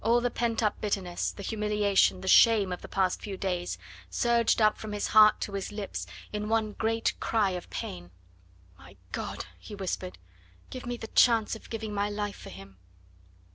All the pent up bitterness, the humiliation, the shame of the past few days, surged up from his heart to his lips in one great cry of pain. "My God!" he whispered, "give me the chance of giving my life for him."